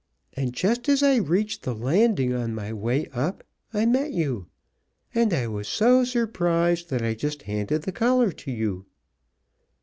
And just as I reached the landing on my way up I met you, and I was so surprised that I just handed the collar to you."